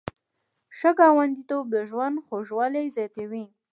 ښه ګاونډیتوب د ژوند خوږوالی زیاتوي.